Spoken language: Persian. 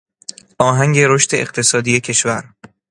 آهنگ رشد اقتصادی کشور